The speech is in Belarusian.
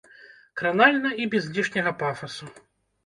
Кранальна і без лішняга пафасу.